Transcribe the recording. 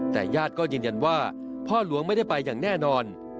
แต่ญาติก็ยืนยันว่าพ่อหลวงไม่ได้ไปอย่างแน่นอน